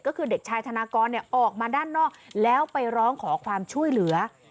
ก็คือเด็กชายธนากรออกมาด้านนอกแล้วไปร้องขอความช่วยเหลือ